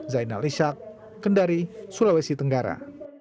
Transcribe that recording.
zainal ishak kendari sulawesi tenggara